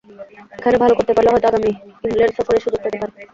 এখানে ভালো করতে পারলে হয়তো আগামী ইংল্যান্ড সফরে সুযোগ পেতে পারি।